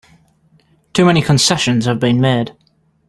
Too many concessions have been made!